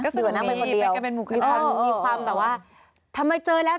ก็สนุกนี้เป็นกลุ่มหมู่คณะมีความแบบว่าถ้าไม่เจอแล้ว